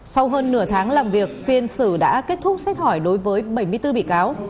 sau hơn nửa tháng làm việc phiên xử đã kết thúc xét hỏi đối với bảy mươi bốn bị cáo